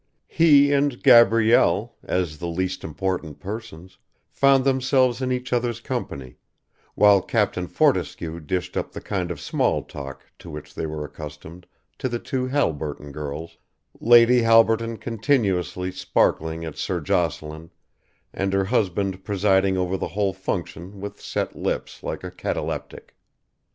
He and Gabrielle, as the least important persons, found themselves in each other's company, while Captain Fortescue dished up the kind of small talk to which they were accustomed to the two Halberton girls, Lady Halberton continuously sparkling at Sir Jocelyn and her husband presiding over the whole function with set lips like a cataleptic.